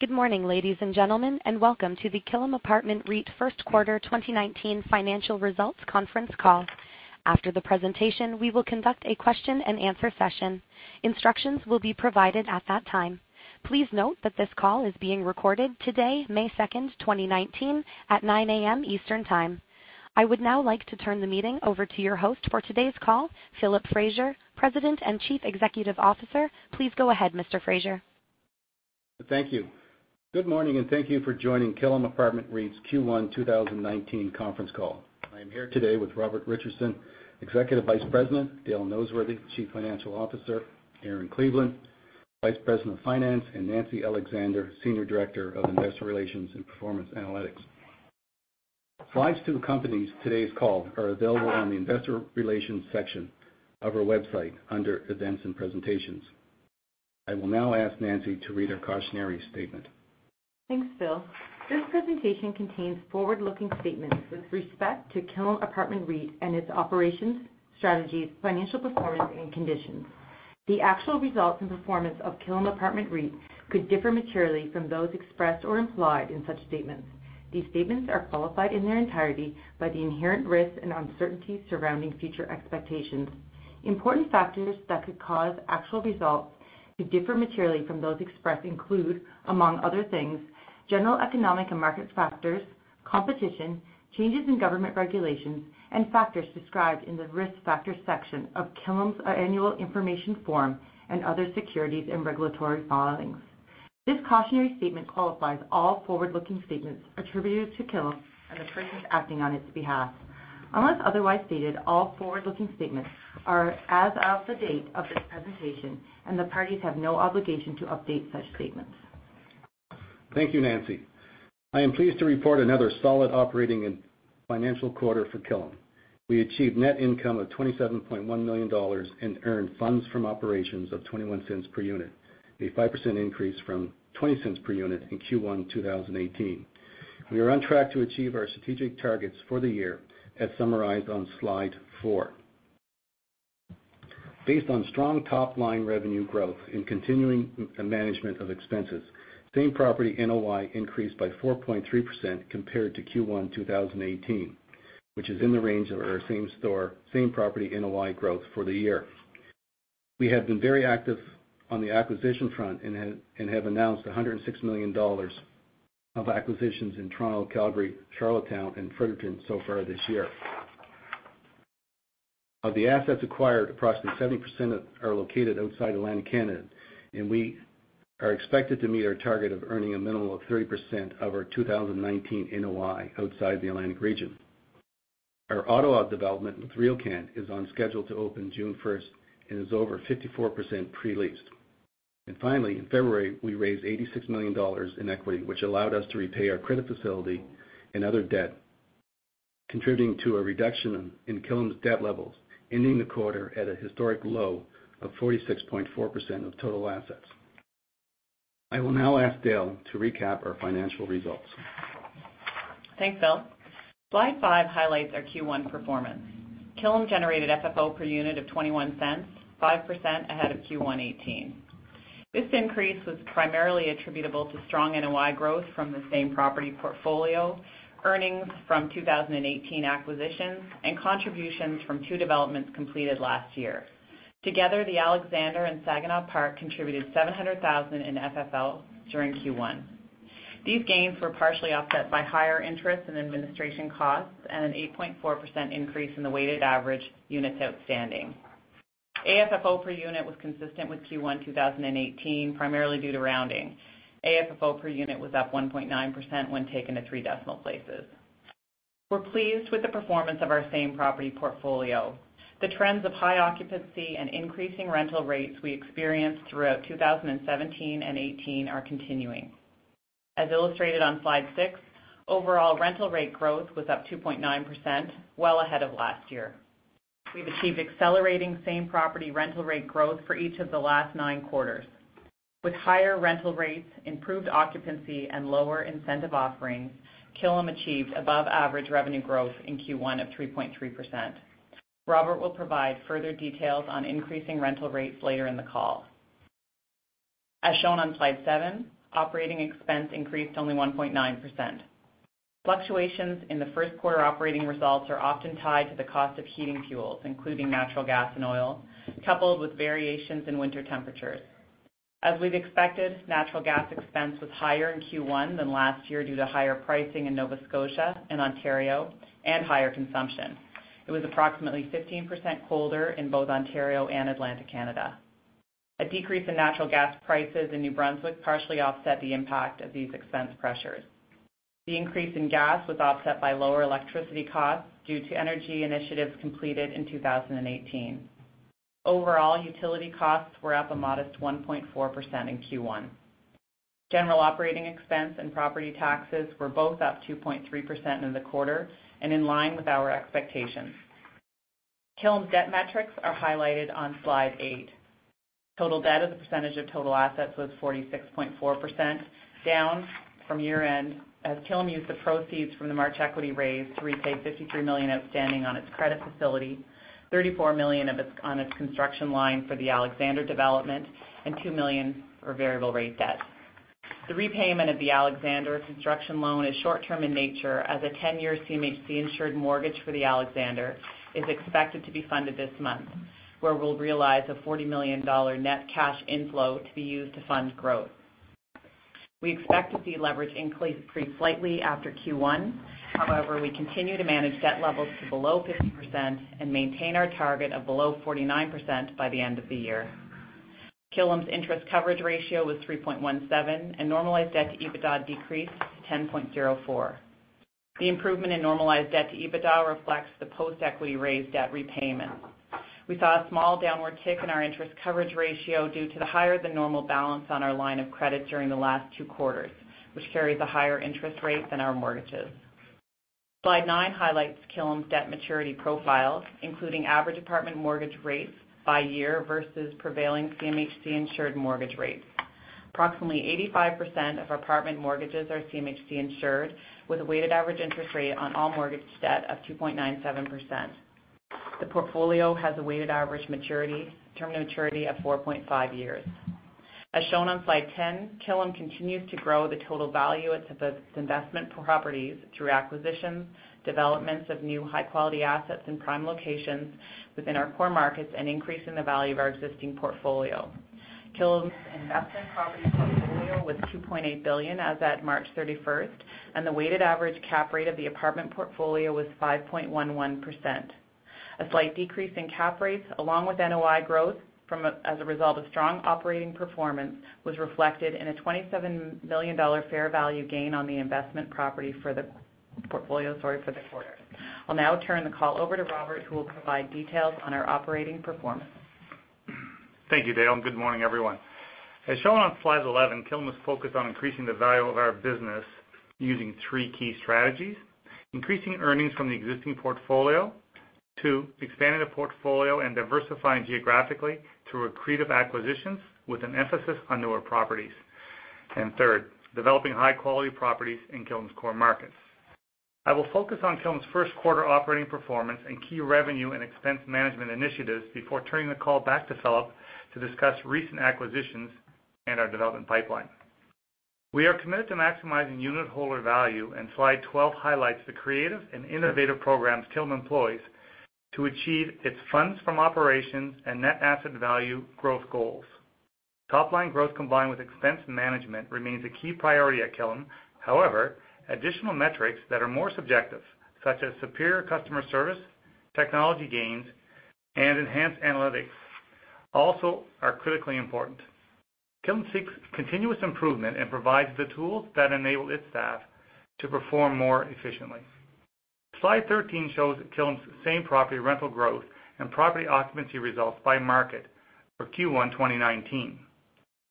Good morning, ladies and gentlemen, and welcome to the Killam Apartment REIT First Quarter 2019 financial results conference call. After the presentation, we will conduct a question and answer session. Instructions will be provided at that time. Please note that this call is being recorded today, May 2nd, 2019, at 9:00 A.M. Eastern Time. I would now like to turn the meeting over to your host for today's call, Philip Fraser, President and Chief Executive Officer. Please go ahead, Mr. Fraser. Thank you. Good morning, and thank you for joining Killam Apartment REIT's Q1 2019 conference call. I am here today with Robert Richardson, Executive Vice President, Dale Noseworthy, Chief Financial Officer, Erin Cleveland, Vice President of Finance, and Nancy Alexander, Senior Director of Investor Relations and Performance Analytics. Slides to the company's today's call are available on the investor relations section of our website under events and presentations. I will now ask Nancy to read our cautionary statement. Thanks, Phil. This presentation contains forward-looking statements with respect to Killam Apartment REIT and its operations, strategies, financial performance, and conditions. The actual results and performance of Killam Apartment REIT could differ materially from those expressed or implied in such statements. These statements are qualified in their entirety by the inherent risks and uncertainties surrounding future expectations. Important factors that could cause actual results to differ materially from those expressed include, among other things, general economic and market factors, competition, changes in government regulations, and factors described in the Risk Factors section of Killam's annual information form and other securities and regulatory filings. This cautionary statement qualifies all forward-looking statements attributed to Killam and the persons acting on its behalf. Unless otherwise stated, all forward-looking statements are as of the date of this presentation, and the parties have no obligation to update such statements. Thank you, Nancy. I am pleased to report another solid operating and financial quarter for Killam. We achieved net income of 27.1 million dollars and earned funds from operations of 0.21 per unit, a 5% increase from 0.20 per unit in Q1 2018. We are on track to achieve our strategic targets for the year, as summarized on slide four. Based on strong top-line revenue growth and continuing management of expenses, same-property NOI increased by 4.3% compared to Q1 2018, which is in the range of our same-property NOI growth for the year. We have been very active on the acquisition front and have announced 106 million dollars of acquisitions in Toronto, Calgary, Charlottetown, and Fredericton so far this year. Of the assets acquired, approximately 70% are located outside Atlantic Canada, we are expected to meet our target of earning a minimum of 30% of our 2019 NOI outside the Atlantic region. Our Ottawa development with RioCan REIT is on schedule to open June 1st and is over 54% pre-leased. Finally, in February, we raised 86 million dollars in equity, which allowed us to repay our credit facility and other debt, contributing to a reduction in Killam's debt levels, ending the quarter at a historic low of 46.4% of total assets. I will now ask Dale to recap our financial results. Thanks, Phil. Slide five highlights our Q1 performance. Killam generated FFO per unit of 0.21, 5% ahead of Q1 2018. This increase was primarily attributable to strong NOI growth from the same property portfolio, earnings from 2018 acquisitions, and contributions from two developments completed last year. Together, The Alexander and Saginaw Park contributed 700,000 in FFO during Q1. These gains were partially offset by higher interest and administration costs and an 8.4% increase in the weighted average units outstanding. AFFO per unit was consistent with Q1 2018, primarily due to rounding. AFFO per unit was up 1.9% when taken to three decimal places. We are pleased with the performance of our same property portfolio. The trends of high occupancy and increasing rental rates we experienced throughout 2017 and 2018 are continuing. As illustrated on slide six, overall rental rate growth was up 2.9%, well ahead of last year. We have achieved accelerating same-property rental rate growth for each of the last nine quarters. With higher rental rates, improved occupancy, and lower incentive offerings, Killam achieved above-average revenue growth in Q1 of 3.3%. Robert will provide further details on increasing rental rates later in the call. As shown on slide seven, operating expense increased only 1.9%. Fluctuations in the first quarter operating results are often tied to the cost of heating fuels, including natural gas and oil, coupled with variations in winter temperatures. As we have expected, natural gas expense was higher in Q1 than last year due to higher pricing in Nova Scotia and Ontario and higher consumption. It was approximately 15% colder in both Ontario and Atlantic Canada. A decrease in natural gas prices in New Brunswick partially offset the impact of these expense pressures. The increase in gas was offset by lower electricity costs due to energy initiatives completed in 2018. Overall, utility costs were up a modest 1.4% in Q1. General operating expense and property taxes were both up 2.3% in the quarter and in line with our expectations. Killam's debt metrics are highlighted on slide eight. Total debt as a percentage of total assets was 46.4%, down from year-end, as Killam used the proceeds from the March equity raise to repay 53 million outstanding on its credit facility, 34 million on its construction line for The Alexander development, and 2 million for variable rate debt. The repayment of The Alexander construction loan is short-term in nature, as a 10-year CMHC insured mortgage for The Alexander is expected to be funded this month, where we will realize a 40 million dollar net cash inflow to be used to fund growth. We expect to see leverage increase pretty slightly after Q1. However, we continue to manage debt levels to below 50% and maintain our target of below 49% by the end of the year. Killam's interest coverage ratio was 3.17, and normalized debt to EBITDA decreased to 10.04. The improvement in normalized debt to EBITDA reflects the post-equity raise debt repayment. We saw a small downward tick in our interest coverage ratio due to the higher-than-normal balance on our line of credit during the last two quarters, which carries a higher interest rate than our mortgages. Slide nine highlights Killam's debt maturity profile, including average apartment mortgage rates by year versus prevailing CMHC insured mortgage rates. Approximately 85% of our apartment mortgages are CMHC insured, with a weighted average interest rate on all mortgage debt of 2.97%. The portfolio has a weighted average term maturity of 4.5 years. Shown on slide 10, Killam continues to grow the total value of its investment properties through acquisitions, developments of new high-quality assets in prime locations within our core markets, and increasing the value of our existing portfolio. Killam's investment property portfolio was 2.8 billion as at March 31st, and the weighted average cap rate of the apartment portfolio was 5.11%. A slight decrease in cap rates, along with NOI growth as a result of strong operating performance, was reflected in a 27 million dollar fair value gain on the investment property for the portfolio, sorry, for the quarter. I'll now turn the call over to Robert, who will provide details on our operating performance. Thank you, Dale, and good morning, everyone. Shown on slides 11, Killam is focused on increasing the value of our business using three key strategies: increasing earnings from the existing portfolio, 2, expanding the portfolio and diversifying geographically through accretive acquisitions with an emphasis on newer properties, and 3rd, developing high-quality properties in Killam's core markets. I will focus on Killam's first quarter operating performance and key revenue and expense management initiatives before turning the call back to Philip to discuss recent acquisitions and our development pipeline. We are committed to maximizing unit holder value, Slide 12 highlights the creative and innovative programs Killam employs to achieve its funds from operations and net asset value growth goals. Top-line growth combined with expense management remains a key priority at Killam. Additional metrics that are more subjective, such as superior customer service, technology gains, and enhanced analytics, also are critically important. Killam seeks continuous improvement and provides the tools that enable its staff to perform more efficiently. Slide 13 shows Killam's same-property rental growth and property occupancy results by market for Q1 2019.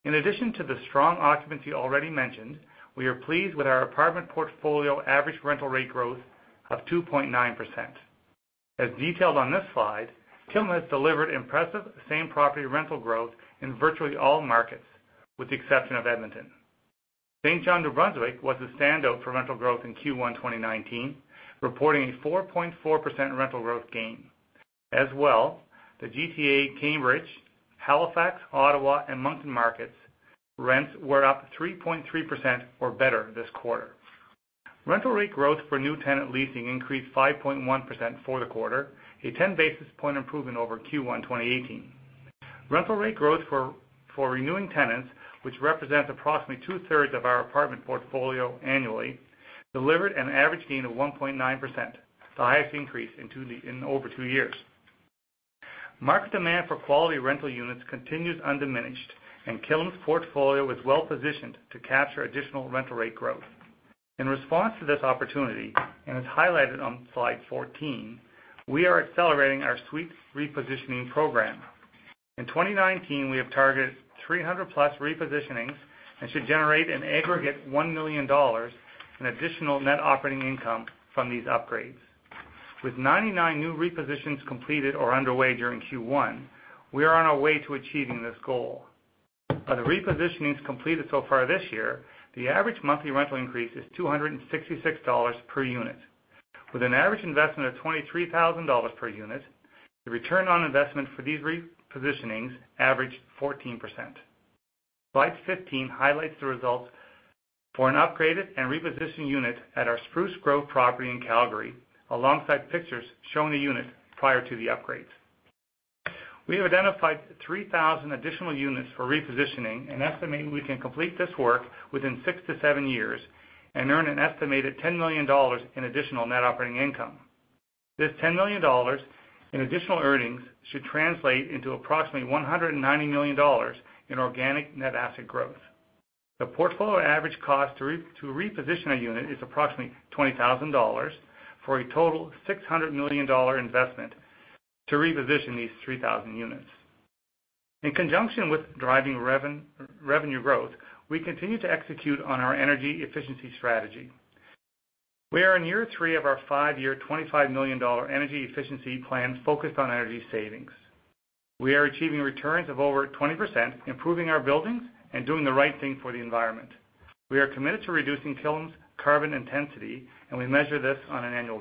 In addition to the strong occupancy already mentioned, we are pleased with our apartment portfolio average rental rate growth of 2.9%. Detailed on this slide, Killam has delivered impressive same-property rental growth in virtually all markets, with the exception of Edmonton. Saint John, New Brunswick was the standout for rental growth in Q1 2019, reporting a 4.4% rental growth gain. The GTA, Cambridge, Halifax, Ottawa, and Moncton markets' rents were up 3.3% or better this quarter. Rental rate growth for new tenant leasing increased 5.1% for the quarter, a 10-basis point improvement over Q1 2018. Rental rate growth for renewing tenants, which represents approximately two-thirds of our apartment portfolio annually, delivered an average gain of 1.9%, the highest increase in over two years. Market demand for quality rental units continues undiminished, Killam's portfolio is well-positioned to capture additional rental rate growth. In response to this opportunity, as highlighted on slide 14, we are accelerating our suites repositioning program. In 2019, we have targeted 300-plus repositionings and should generate an aggregate 1 million dollars in additional net operating income from these upgrades. With 99 new repositions completed or underway during Q1, we are on our way to achieving this goal. Of the repositionings completed so far this year, the average monthly rental increase is 266 dollars per unit. With an average investment of 23,000 dollars per unit, the return on investment for these repositionings averaged 14%. Slide 15 highlights the results for an upgraded and repositioned unit at our Spruce Grove property in Calgary, alongside pictures showing the unit prior to the upgrades. We have identified 3,000 additional units for repositioning and estimate we can complete this work within six to seven years and earn an estimated 10 million dollars in additional net operating income. This 10 million dollars in additional earnings should translate into approximately 190 million dollars in organic net asset growth. The portfolio average cost to reposition a unit is approximately 20,000 dollars for a total 600 million dollar investment to reposition these 3,000 units. In conjunction with driving revenue growth, we continue to execute on our energy efficiency strategy. We are in year three of our five-year, 25 million dollar energy efficiency plan focused on energy savings. We are achieving returns of over 20%, improving our buildings, and doing the right thing for the environment. We are committed to reducing Killam's carbon intensity, and we measure this on an annual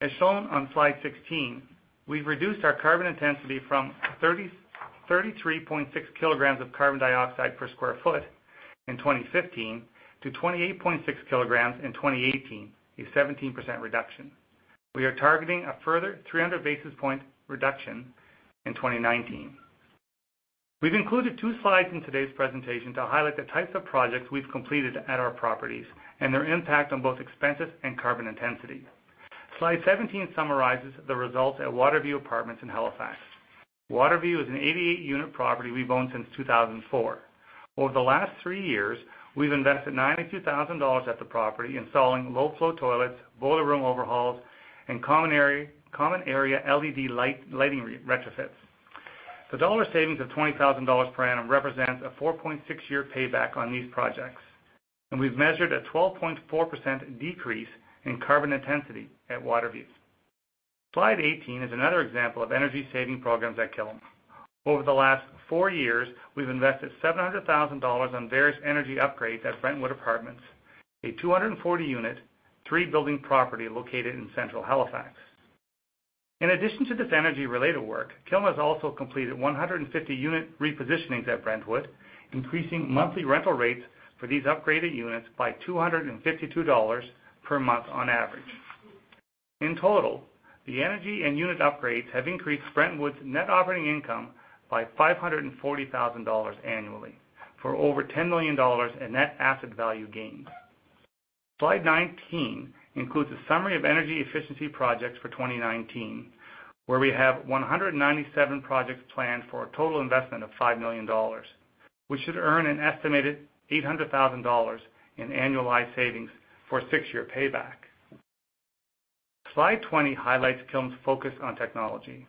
basis. As shown on slide 16, we've reduced our carbon intensity from 33.6 kilograms of carbon dioxide per sq ft in 2015 to 28.6 kilograms in 2018, a 17% reduction. We are targeting a further 300 basis point reduction in 2019. We've included two slides in today's presentation to highlight the types of projects we've completed at our properties and their impact on both expenses and carbon intensity. Slide 17 summarizes the results at Waterview Apartments in Halifax. Waterview is an 88-unit property we've owned since 2004. Over the last three years, we've invested 92,000 dollars at the property, installing low-flow toilets, boiler room overhauls, and common area LED lighting retrofits. The dollar savings of 20,000 dollars per annum represents a 4.6-year payback on these projects, and we've measured a 12.4% decrease in carbon intensity at Waterview. Slide 18 is another example of energy-saving programs at Killam. Over the last four years, we've invested 700,000 dollars on various energy upgrades at Brentwood Apartments, a 240-unit, three-building property located in central Halifax. In addition to this energy-related work, Killam has also completed 150 unit repositionings at Brentwood, increasing monthly rental rates for these upgraded units by 252 dollars per month on average. In total, the energy and unit upgrades have increased Brentwood's net operating income by 540,000 dollars annually for over 10 million dollars in net asset value gains. Slide 19 includes a summary of energy efficiency projects for 2019, where we have 197 projects planned for a total investment of 5 million dollars. We should earn an estimated 800,000 dollars in annualized savings for a six-year payback. Slide 20 highlights Killam's focus on technology.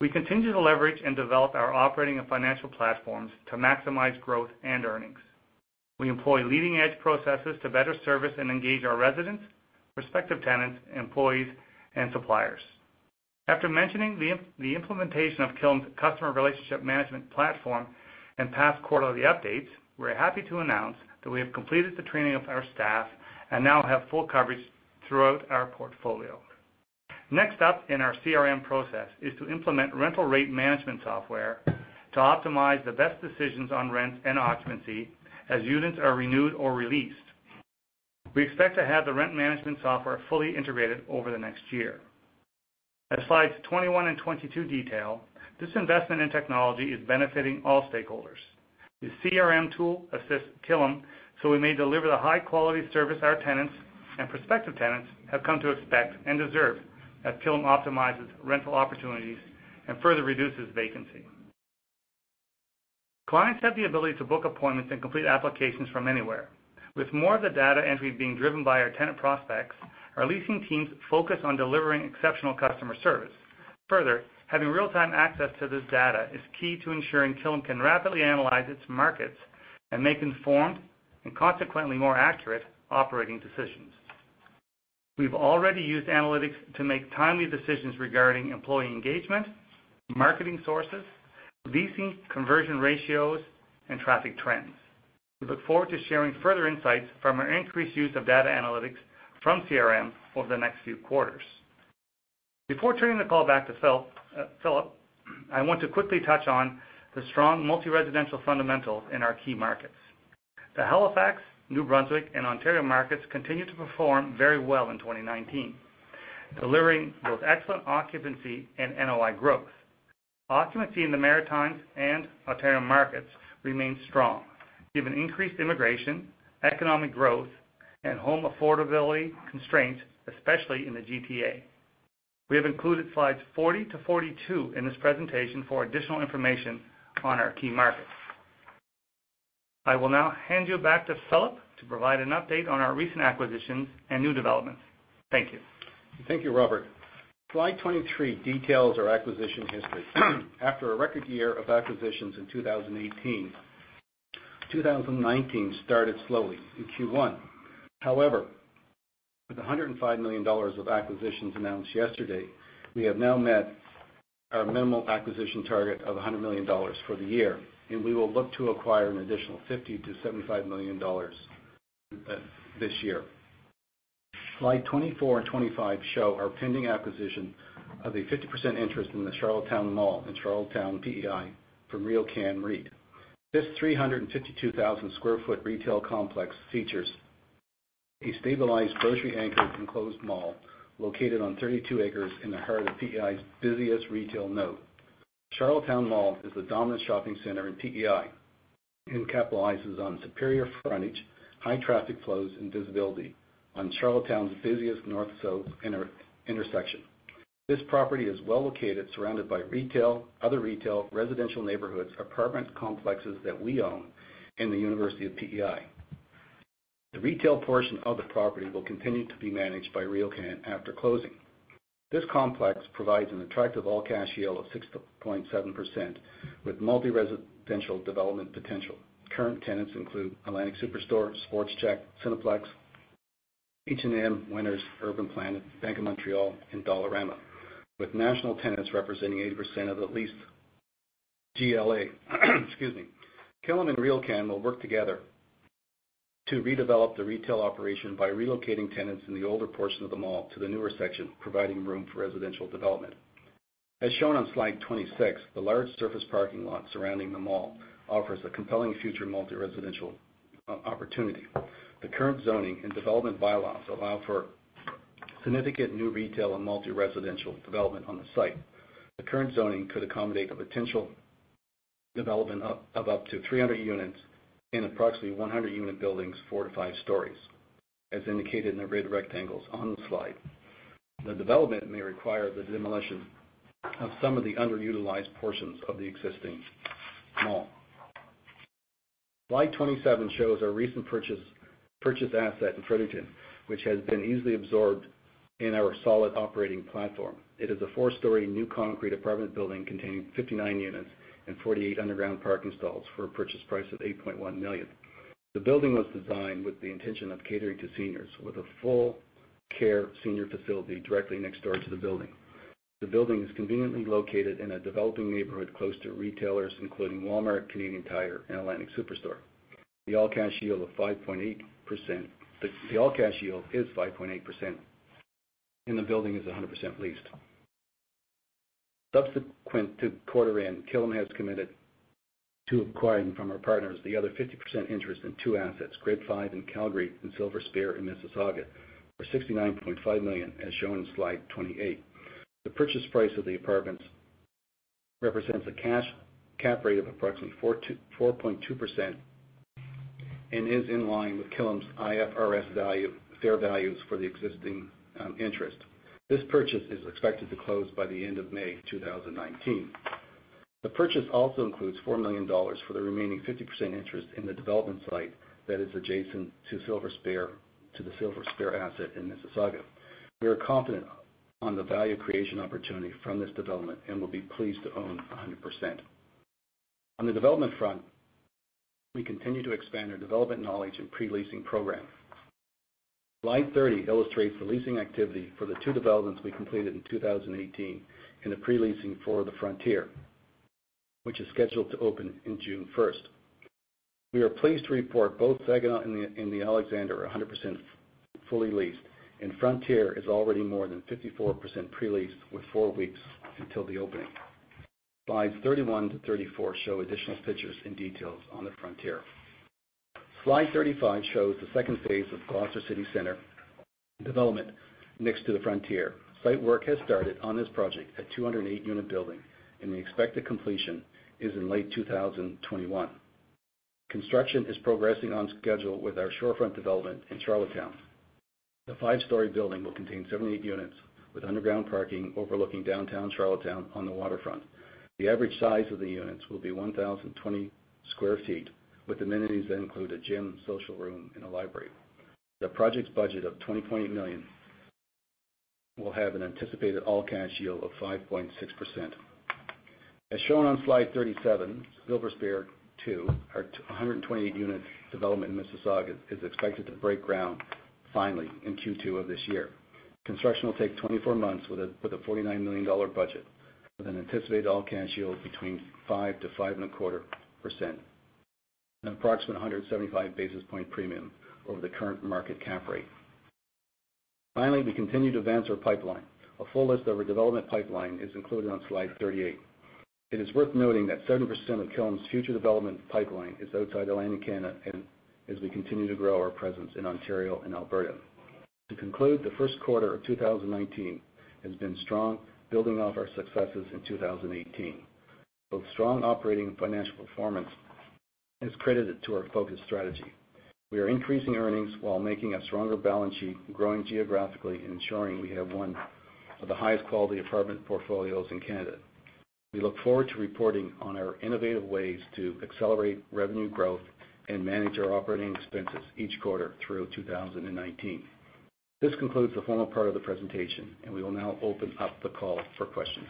We continue to leverage and develop our operating and financial platforms to maximize growth and earnings. We employ leading-edge processes to better service and engage our residents, prospective tenants, employees, and suppliers. After mentioning the implementation of Killam's customer relationship management platform in past quarterly updates, we're happy to announce that we have completed the training of our staff and now have full coverage throughout our portfolio. Next up in our CRM process is to implement rental rate management software to optimize the best decisions on rent and occupancy as units are renewed or released. We expect to have the rent management software fully integrated over the next year. As slides 21 and 22 detail, this investment in technology is benefiting all stakeholders. The CRM tool assists Killam so we may deliver the high-quality service our tenants and prospective tenants have come to expect and deserve, as Killam optimizes rental opportunities and further reduces vacancy. Clients have the ability to book appointments and complete applications from anywhere. With more of the data entry being driven by our tenant prospects, our leasing teams focus on delivering exceptional customer service. Having real-time access to this data is key to ensuring Killam can rapidly analyze its markets and make informed, and consequently more accurate, operating decisions. We've already used analytics to make timely decisions regarding employee engagement, marketing sources, leasing conversion ratios, and traffic trends. We look forward to sharing further insights from our increased use of data analytics from CRM over the next few quarters. Before turning the call back to Philip, I want to quickly touch on the strong multi-residential fundamentals in our key markets. The Halifax, New Brunswick, and Ontario markets continue to perform very well in 2019, delivering both excellent occupancy and NOI growth. Occupancy in the Maritimes and Ontario markets remains strong given increased immigration, economic growth, and home affordability constraints, especially in the GTA. We have included slides 40 to 42 in this presentation for additional information on our key markets. I will now hand you back to Philip to provide an update on our recent acquisitions and new developments. Thank you. Thank you, Robert. Slide 23 details our acquisition history. After a record year of acquisitions in 2018, 2019 started slowly in Q1. With 105 million dollars of acquisitions announced yesterday, we have now met our minimal acquisition target of 100 million dollars for the year, and we will look to acquire an additional 50 million-75 million dollars this year. Slide 24 and 25 show our pending acquisition of a 50% interest in the Charlottetown Mall in Charlottetown, PEI, from RioCan REIT. This 352,000-square-foot retail complex features a stabilized grocery anchor enclosed mall located on 32 acres in the heart of PEI's busiest retail node. Charlottetown Mall is the dominant shopping center in PEI and capitalizes on superior frontage, high traffic flows, and visibility on Charlottetown's busiest north-south intersection. This property is well-located, surrounded by other retail, residential neighborhoods, apartment complexes that we own, and the University of PEI. The retail portion of the property will continue to be managed by RioCan after closing. This complex provides an attractive all-cash yield of 6.7% with multi-residential development potential. Current tenants include Atlantic Superstore, Sport Chek, Cineplex, H&M, Winners, Urban Planet, Bank of Montreal, and Dollarama, with national tenants representing 80% of the leased GLA. Excuse me. Killam and RioCan will work together to redevelop the retail operation by relocating tenants in the older portion of the mall to the newer section, providing room for residential development. As shown on slide 26, the large surface parking lot surrounding the mall offers a compelling future multi-residential opportunity. The current zoning and development bylaws allow for significant new retail and multi-residential development on the site. The current zoning could accommodate the potential development of up to 300 units in approximately 100-unit buildings, four to five stories, as indicated in the red rectangles on the slide. The development may require the demolition of some of the underutilized portions of the existing mall. Slide 27 shows our recent purchase asset in Fredericton, which has been easily absorbed in our solid operating platform. It is a four-story new concrete apartment building containing 59 units and 48 underground parking stalls for a purchase price of 8.1 million. The building was designed with the intention of catering to seniors, with a full-care senior facility directly next door to the building. The building is conveniently located in a developing neighborhood close to retailers including Walmart, Canadian Tire, and Atlantic Superstore. The all-cash yield is 5.8%, and the building is 100% leased. Subsequent to quarter end, Killam has committed to acquiring from our partners the other 50% interest in two assets, Grid 5 in Calgary and Silver Spear in Mississauga, for 69.5 million, as shown in slide 28. The purchase price of the apartments represents a cash cap rate of approximately 4.2% and is in line with Killam's IFRS fair values for the existing interest. This purchase is expected to close by the end of May 2019. The purchase also includes 4 million dollars for the remaining 50% interest in the development site that is adjacent to the Silver Spear asset in Mississauga. We are confident on the value creation opportunity from this development and will be pleased to own 100%. On the development front, we continue to expand our development knowledge and pre-leasing program. Slide 30 illustrates the leasing activity for the two developments we completed in 2018 and the pre-leasing for the Frontier, which is scheduled to open in June 1st. We are pleased to report both Saginaw and The Alexander are 100% fully leased, and Frontier is already more than 54% pre-leased with four weeks until the opening. Slides 31 to 34 show additional pictures and details on the Frontier. Slide 35 shows the second phase of Gloucester City Centre development next to the Frontier. Site work has started on this project, a 208-unit building, and the expected completion is in late 2021. Construction is progressing on schedule with our Shorefront development in Charlottetown. The five-story building will contain 78 units with underground parking overlooking downtown Charlottetown on the waterfront. The average size of the units will be 1,020 sq ft, with amenities that include a gym, social room, and a library. The project's budget of 20.8 million will have an anticipated all-cash yield of 5.6%. As shown on Slide 37, Silver Spear 2, our 128-unit development in Mississauga, is expected to break ground in Q2 of this year. Construction will take 24 months with a 49 million dollar budget with an anticipated all-cash yield between 5%-5.25%, an approximate 175-basis point premium over the current market cap rate. We continue to advance our pipeline. A full list of our development pipeline is included on slide 38. It is worth noting that 70% of Killam's future development pipeline is outside Atlantic Canada as we continue to grow our presence in Ontario and Alberta. To conclude, the first quarter of 2019 has been strong, building off our successes in 2018. Both strong operating and financial performance is credited to our focused strategy. We are increasing earnings while making a stronger balance sheet, growing geographically, ensuring we have one of the highest quality apartment portfolios in Canada. We look forward to reporting on our innovative ways to accelerate revenue growth and manage our operating expenses each quarter through 2019. This concludes the formal part of the presentation. We will now open up the call for questions.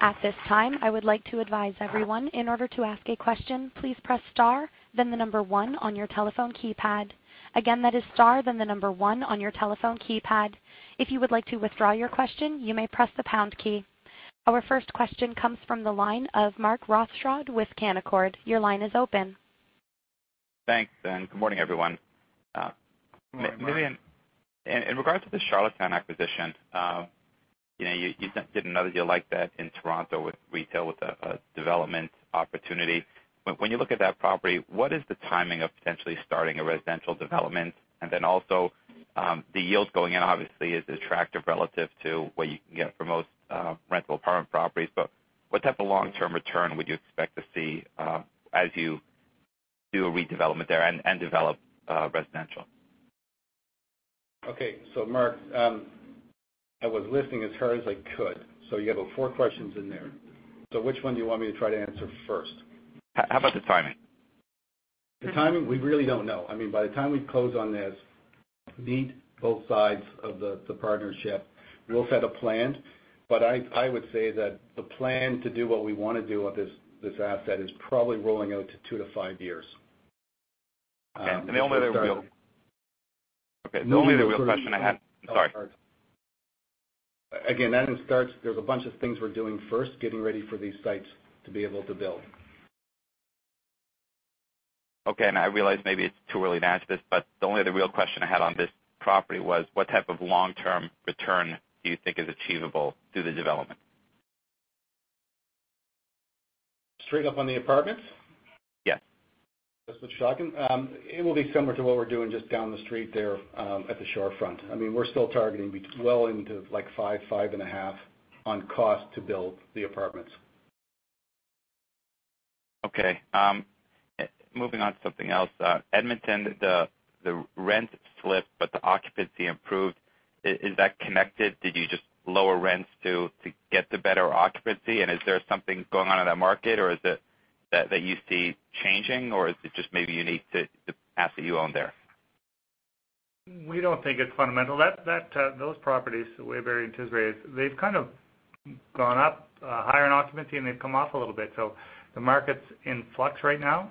At this time, I would like to advise everyone, in order to ask a question, please press star, then the number 1 on your telephone keypad. Again, that is star, then the number 1 on your telephone keypad. If you would like to withdraw your question, you may press the pound key. Our first question comes from the line of Mark Rothschild with Canaccord. Your line is open. Thanks. Good morning, everyone. Good morning. In regards to the Charlottetown acquisition, you did another deal like that in Toronto with retail, with a development opportunity. When you look at that property, what is the timing of potentially starting a residential development? The yield going in obviously is attractive relative to what you can get for most rental apartment properties, but what type of long-term return would you expect to see as you do a redevelopment there and develop residential? Okay. Mark, I was listening as hard as I could. You have four questions in there. Which one do you want me to try to answer first? How about the timing? The timing, we really don't know. By the time we close on this, meet both sides of the partnership, we'll set a plan. I would say that the plan to do what we want to do on this asset is probably rolling out to two to five years. Okay. The only other real question I had I'm sorry. There's a bunch of things we're doing first, getting ready for these sites to be able to build. Okay. I realize maybe it's too early to ask this, the only other real question I had on this property was what type of long-term return do you think is achievable through the development? Straight up on the apartments? Yes. Mississauga. It will be similar to what we're doing just down the street there, at the Shorefront. We're still targeting well into five and a half on cost to build the apartments. Okay. Moving on to something else. Edmonton, the rent slipped. The occupancy improved. Is that connected? Did you just lower rents to get the better occupancy? Is there something going on in that market, or is it that you see changing, or is it just maybe unique to the asset you own there? We don't think it's fundamental. Those properties, Waverley and Tisdale, they've kind of gone up higher in occupancy, and they've come off a little bit. The market's in flux right now,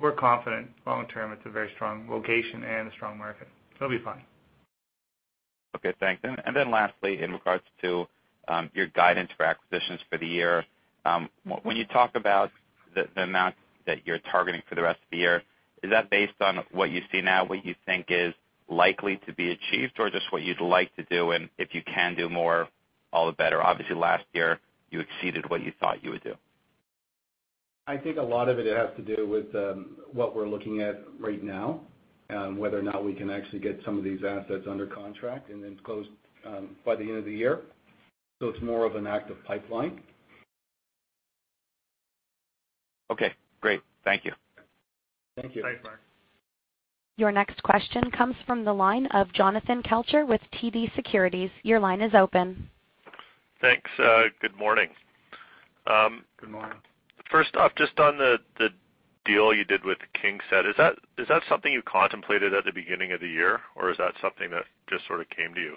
we're confident long term it's a very strong location and a strong market. It'll be fine. Okay, thanks. Lastly, in regards to your guidance for acquisitions for the year. When you talk about the amount that you're targeting for the rest of the year, is that based on what you see now, what you think is likely to be achieved, or just what you'd like to do, and if you can do more, all the better? Obviously, last year you exceeded what you thought you would do. I think a lot of it has to do with what we're looking at right now, whether or not we can actually get some of these assets under contract and then closed by the end of the year. It's more of an active pipeline. Okay, great. Thank you. Thank you. Thanks, Mark. Your next question comes from the line of Jonathan Kelcher with TD Securities. Your line is open. Thanks. Good morning. Good morning. First off, just on the deal you did with KingSett, is that something you contemplated at the beginning of the year, or is that something that just sort of came to you?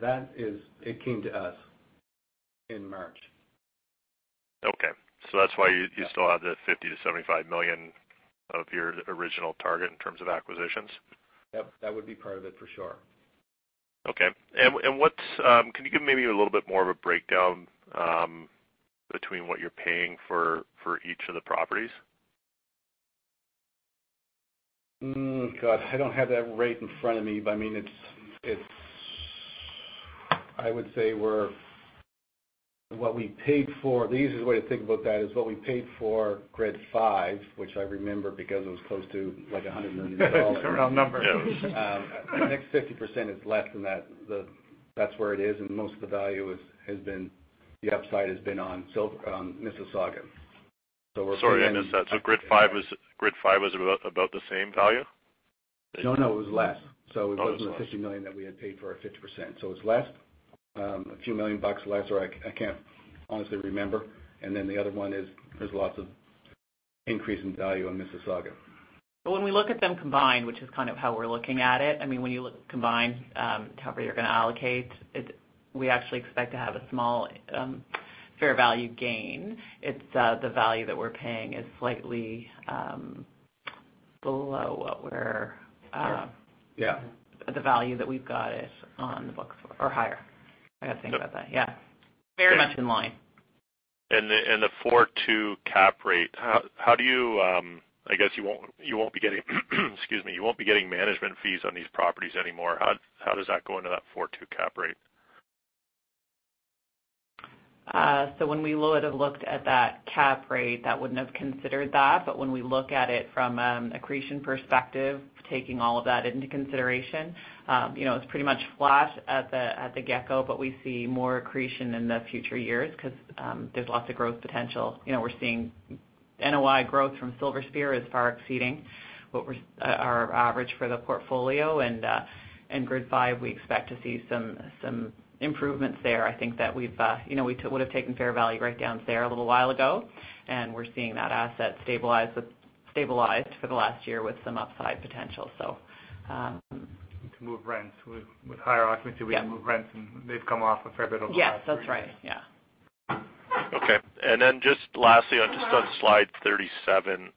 That is, it came to us in March. Okay. That's why you still have the 50 million-75 million of your original target in terms of acquisitions? Yep, that would be part of it for sure. Okay. Can you give maybe a little bit more of a breakdown, between what you're paying for each of the properties? God, I don't have that right in front of me, but I would say what we paid for The easiest way to think about that is what we paid for Grid 5, which I remember because it was close to 100 million dollars. It's a round number. Yes. The next 50% is less than that. That's where it is, and most of the value has been, the upside has been on Mississauga. Sorry, I missed that. Grid 5 was about the same value? No, it was less. It wasn't the 50 million that we had paid for our 50%. It's less, a few million bucks less, or I can't honestly remember. The other one is, there's lots of increase in value on Mississauga. When we look at them combined, which is kind of how we're looking at it, when you look combined, however you're going to allocate, we actually expect to have a small fair value gain. The value that we're paying is slightly below what. Yeah. The value that we've got it on the books for or higher. I've got to think about that. Yeah. Very much in line. The 4.2 cap rate. I guess you won't be getting excuse me, you won't be getting management fees on these properties anymore. How does that go into that 4.2 cap rate? When we would've looked at that cap rate, that wouldn't have considered that. When we look at it from an accretion perspective, taking all of that into consideration, it's pretty much flat at the get-go, but we see more accretion in the future years because there's lots of growth potential. We're seeing NOI growth from Silver Spear is far exceeding what our average for the portfolio. Grid5, we expect to see some improvements there. I think that we would've taken fair value write-downs there a little while ago, and we're seeing that asset stabilized for the last year with some upside potential. We can move rents. With higher occupancy, we can move rents, and they've come off a fair bit over the last three years. Yes, that's right. Yeah. Okay. Then just lastly, on just on slide 37, you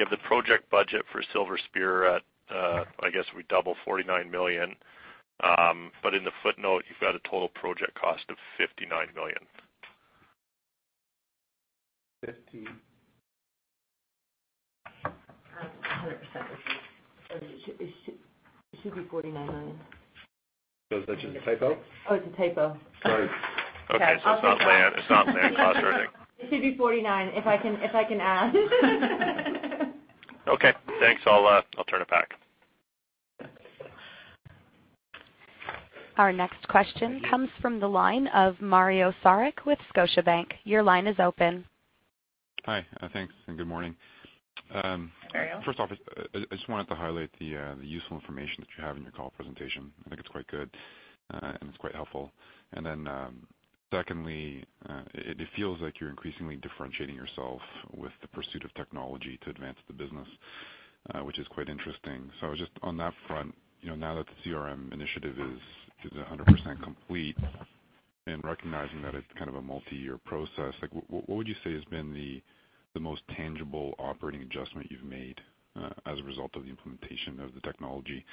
have the project budget for Silver Spear at, I guess, we double 49 million. In the footnote, you've got a total project cost of 59 million. 50. I don't have it 100% with me. It should be 49 million. Is that just a typo? Oh, it's a typo. Sorry. Okay. It's not land cause or anything. It should be 49, if I can add. Okay, thanks. I'll turn it back. Our next question comes from the line of Mario Saric with Scotiabank. Your line is open. Hi. Thanks. Good morning. Mario First off, I just wanted to highlight the useful information that you have in your call presentation. I think it's quite good, and it's quite helpful. Secondly, it feels like you're increasingly differentiating yourself with the pursuit of technology to advance the business, which is quite interesting. Just on that front, now that the CRM initiative is 100% complete and recognizing that it's kind of a multi-year process, what would you say has been the most tangible operating adjustment you've made as a result of the implementation of the technology?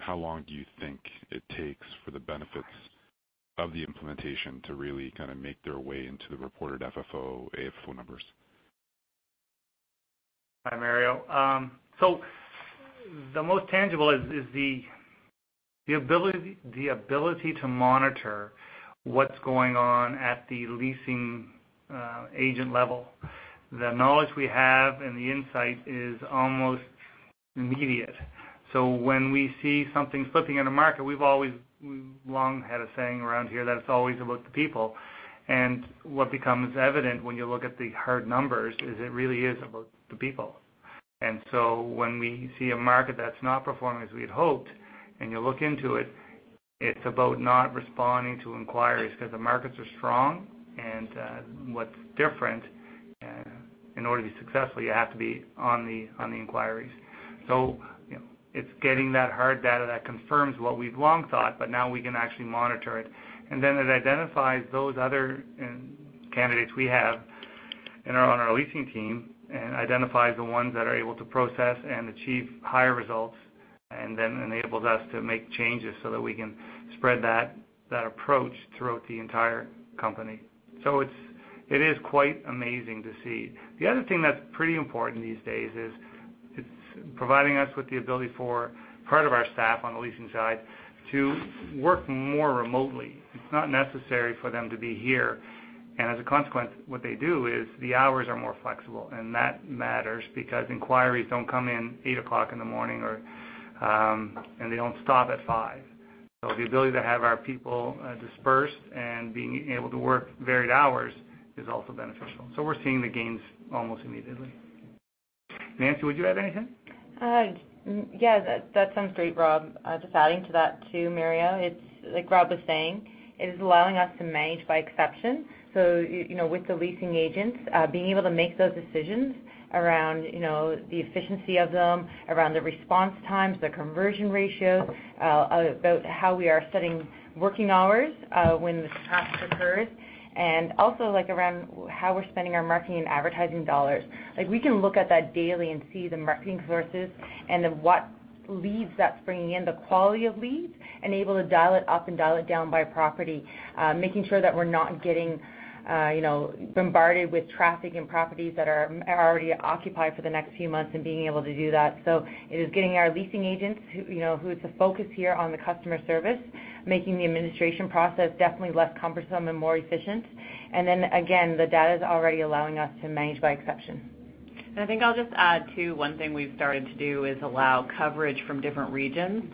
How long do you think it takes for the benefits of the implementation to really kind of make their way into the reported FFO, AFFO numbers? Hi, Mario. The most tangible is the ability to monitor what's going on at the leasing agent level. The knowledge we have and the insight is almost immediate. When we see something flipping in the market, we've long had a saying around here that it's always about the people. What becomes evident when you look at the hard numbers is it really is about the people. When we see a market that's not performing as we had hoped, and you look into it's about not responding to inquiries because the markets are strong, and what's different, in order to be successful, you have to be on the inquiries. It's getting that hard data that confirms what we've long thought, but now we can actually monitor it. It identifies those other candidates we have on our leasing team and identifies the ones that are able to process and achieve higher results, and then enables us to make changes so that we can spread that approach throughout the entire company. It is quite amazing to see. The other thing that's pretty important these days is it's providing us with the ability for part of our staff on the leasing side to work more remotely. It's not necessary for them to be here. As a consequence, what they do is the hours are more flexible, and that matters because inquiries don't come in at 8:00 A.M., and they don't stop at 5:00 P.M. The ability to have our people dispersed and being able to work varied hours is also beneficial. We're seeing the gains almost immediately. Nancy, would you add anything? Yeah. That sounds great, Rob. Just adding to that, too, Mario, it's like Rob was saying, it is allowing us to manage by exception. With the leasing agents, being able to make those decisions around the efficiency of them, around the response times, the conversion ratio, about how we are setting working hours when this task occurs. Also around how we're spending our marketing and advertising Canadian dollars. We can look at that daily and see the marketing sources and what leads that's bringing in, the quality of leads, and able to dial it up and dial it down by property. Making sure that we're not getting bombarded with traffic and properties that are already occupied for the next few months and being able to do that. It is getting our leasing agents, who it's a focus here on the customer service, making the administration process definitely less cumbersome and more efficient. Again, the data's already allowing us to manage by exception. I think I'll just add, too, one thing we've started to do is allow coverage from different regions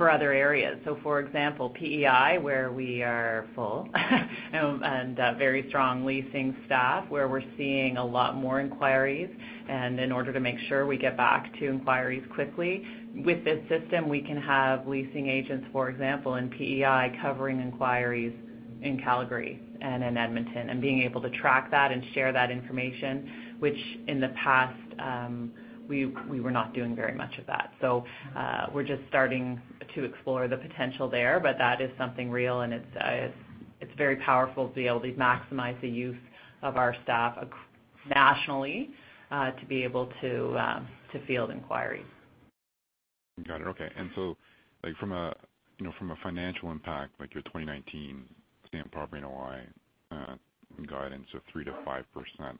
for other areas. For example, PEI, where we are full and very strong leasing staff, where we're seeing a lot more inquiries. In order to make sure we get back to inquiries quickly, with this system, we can have leasing agents, for example, in PEI covering inquiries in Calgary and in Edmonton, and being able to track that and share that information, which in the past, we were not doing very much of that. We're just starting to explore the potential there, but that is something real, and it's very powerful to be able to maximize the use of our staff nationally, to be able to field inquiries. Got it. Okay. From a financial impact, like your 2019 same property NOI guidance of 3% to 5%,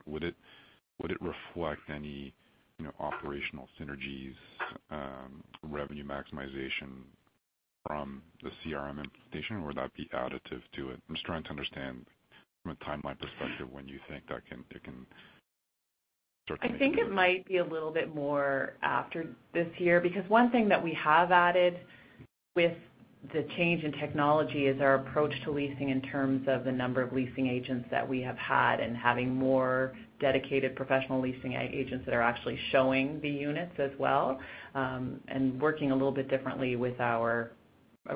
would it reflect any operational synergies, revenue maximization from the CRM implementation, or would that be additive to it? I'm just trying to understand from a timeline perspective when you think that can start to- I think it might be a little bit more after this year. One thing that we have added with the change in technology is our approach to leasing in terms of the number of leasing agents that we have had, and having more dedicated professional leasing agents that are actually showing the units as well. Working a little bit differently with our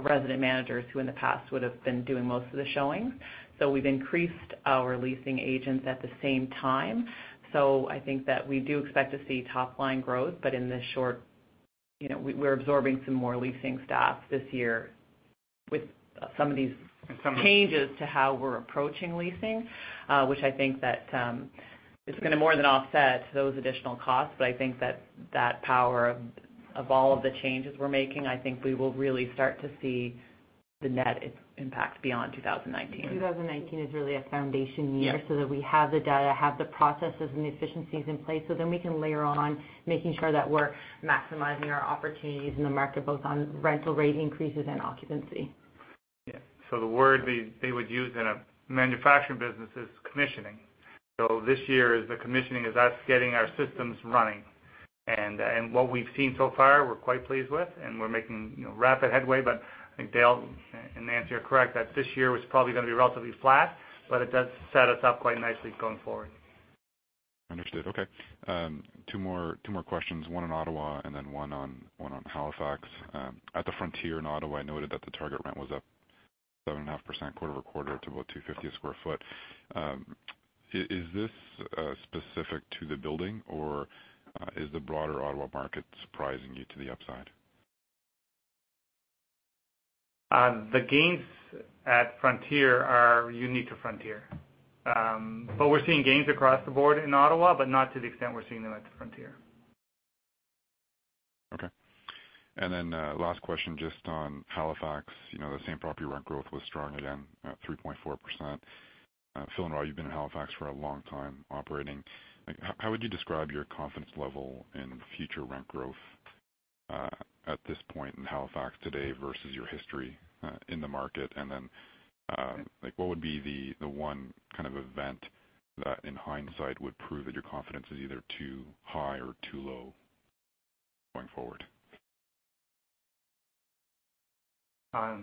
resident managers, who in the past would've been doing most of the showings. We've increased our leasing agents at the same time. I think that we do expect to see top-line growth. In the short, we're absorbing some more leasing staff this year with some of these changes to how we're approaching leasing, which I think that is going to more than offset those additional costs. I think that that power of all of the changes we're making, I think we will really start to see the net impact beyond 2019. 2019 is really a foundation year. Yep That we have the data, have the processes, and the efficiencies in place, then we can layer on making sure that we're maximizing our opportunities in the market, both on rental rate increases and occupancy. The word they would use in a manufacturing business is commissioning. This year is the commissioning, is us getting our systems running. What we've seen so far, we're quite pleased with, and we're making rapid headway. I think Dale and Nancy are correct that this year was probably going to be relatively flat, but it does set us up quite nicely going forward. Understood. Okay. Two more questions, one on Ottawa and then one on Halifax. At the Frontier in Ottawa, I noted that the target rent was up 7.5% quarter-over-quarter to about 250 a square foot. Is this specific to the building, or is the broader Ottawa market surprising you to the upside? The gains at Frontier are unique to Frontier. We're seeing gains across the board in Ottawa, but not to the extent we're seeing them at the Frontier. Okay. Last question just on Halifax. The same property rent growth was strong again at 3.4%. Phil and Roy, you've been in Halifax for a long time operating. How would you describe your confidence level in future rent growth, at this point in Halifax today versus your history in the market? Yeah What would be the one kind of event that in hindsight, would prove that your confidence is either too high or too low going forward? I'll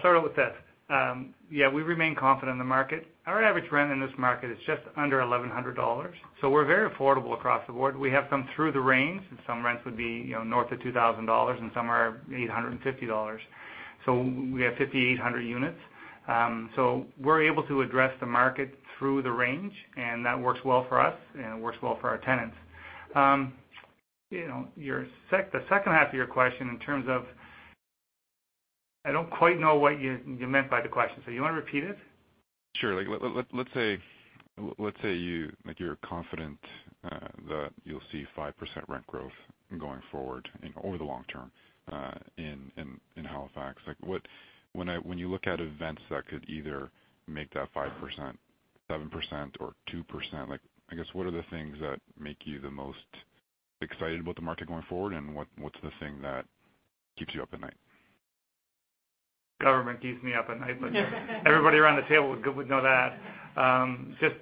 start out with that. Yeah, we remain confident in the market. Our average rent in this market is just under 1,100 dollars. We're very affordable across the board. We have some through the range, and some rents would be north of 2,000 dollars, and some are 850 dollars. We have 5,800 units. We're able to address the market through the range, and that works well for us, and it works well for our tenants. The second half of your question in terms of I don't quite know what you meant by the question. You want to repeat it? Sure. Let's say, you're confident that you'll see 5% rent growth going forward over the long term, in Halifax. When you look at events that could either make that 5%, 7%, or 2%, I guess what are the things that make you the most excited about the market going forward, and what's the thing that keeps you up at night? Government keeps me up at night. Everybody around the table would know that. Just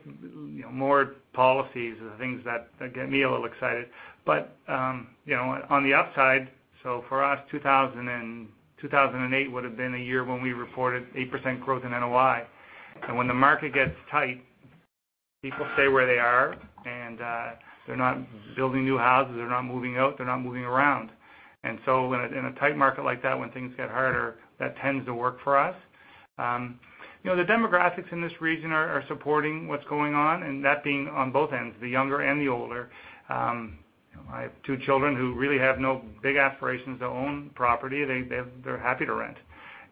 more policies are the things that get me a little excited. On the upside, for us, 2008 would've been a year when we reported 8% growth in NOI. When the market gets tight, people stay where they are, and they're not building new houses. They're not moving out. They're not moving around. In a tight market like that, when things get harder, that tends to work for us. The demographics in this region are supporting what's going on, and that being on both ends, the younger and the older. I have two children who really have no big aspirations to own property. They're happy to rent.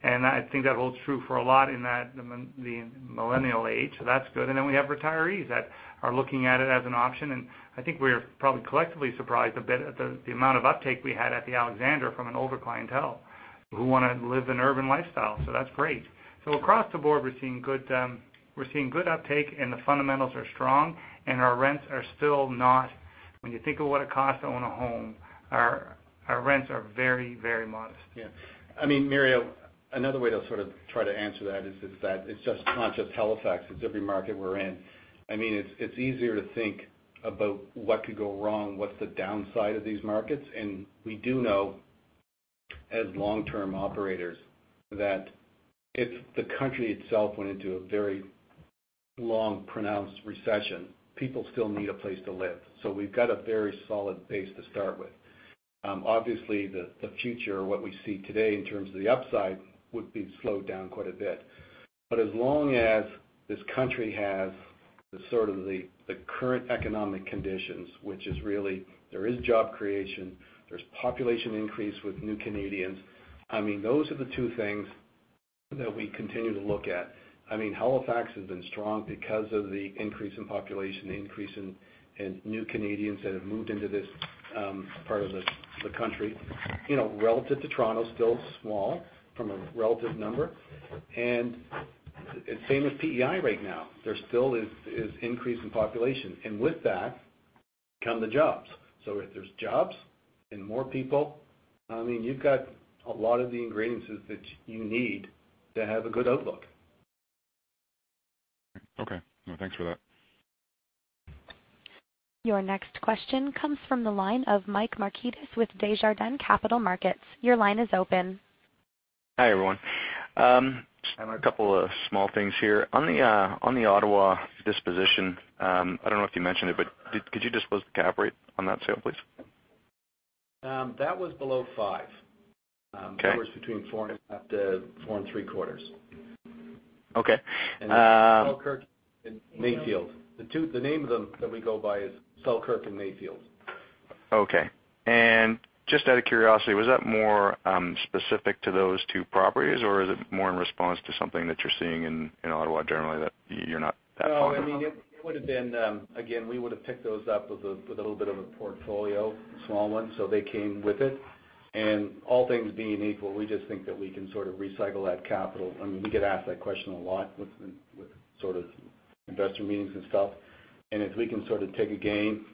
I think that holds true for a lot in the millennial age. That's good. Then we have retirees that are looking at it as an option. I think we're probably collectively surprised a bit at the amount of uptake we had at The Alexander from an older clientele who want to live an urban lifestyle. That's great. Across the board, we're seeing good uptake and the fundamentals are strong and our rents are still not. When you think of what it costs to own a home, our rents are very, very modest. Yeah. Mario, another way to sort of try to answer that is just that it's not just Halifax, it's every market we're in. It's easier to think about what could go wrong, what's the downside of these markets. We do know as long-term operators that if the country itself went into a very long, pronounced recession, people still need a place to live. We've got a very solid base to start with. Obviously, the future, what we see today in terms of the upside would be slowed down quite a bit. As long as this country has the sort of the current economic conditions, which is really, there is job creation, there's population increase with new Canadians. Those are the two things that we continue to look at. Halifax has been strong because of the increase in population, increase in new Canadians that have moved into this part of the country. Relative to Toronto, still small from a relative number. Same with PEI right now. There still is increase in population. With that come the jobs. If there's jobs and more people, you've got a lot of the ingredients that you need to have a good outlook. Okay. No, thanks for that. Your next question comes from the line of Michael Markidis with Desjardins Capital Markets. Your line is open. Hi, everyone. Just having a couple of small things here. On the Ottawa disposition, I don't know if you mentioned it, but could you disclose the cap rate on that sale, please? That was below five. Okay. It was between four and 3/4. Okay. Selkirk and Mayfield. The name of them that we go by is Selkirk and Mayfield. Okay. Just out of curiosity, was that more specific to those two properties, or is it more in response to something that you're seeing in Ottawa generally that you're not that fond of? No, it would've been, again, we would've picked those up with a little bit of a portfolio, a small one. They came with it. All things being equal, we just think that we can sort of recycle that capital. We get asked that question a lot with sort of investor meetings and stuff. If we can sort of take a gain,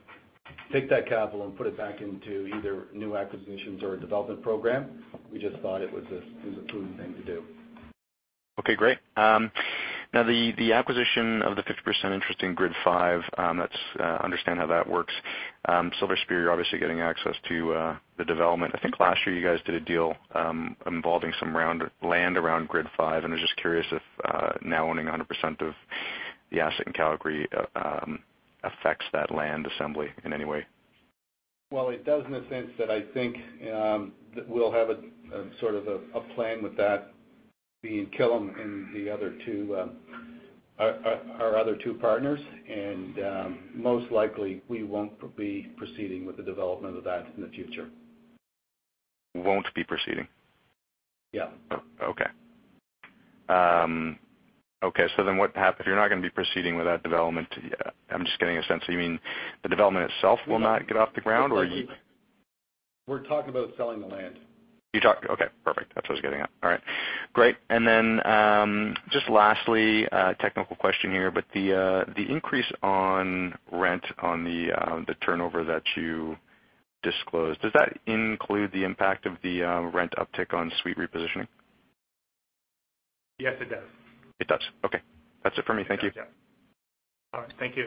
take that capital, and put it back into either new acquisitions or a development program, we just thought it was a prudent thing to do. Okay, great. Now the acquisition of the 50% interest in Grid 5, let's understand how that works. Silver Spear, you're obviously getting access to the development. I think last year you guys did a deal involving some land around Grid 5, and I was just curious if now owning 100% of the asset in Calgary affects that land assembly in any way. Well, it does in the sense that I think that we'll have a plan with that being Killam and our other two partners, and most likely we won't be proceeding with the development of that in the future. Won't be proceeding? Yeah. Okay. If you're not going to be proceeding with that development, I'm just getting a sense, so you mean the development itself will not get off the ground? We're talking about selling the land. Okay, perfect. That's what I was getting at. All right, great. Just lastly, a technical question here. The increase on rent on the turnover that you disclosed, does that include the impact of the rent uptick on suite repositioning? Yes, it does. It does. Okay. That's it for me. Thank you. Yeah. All right. Thank you.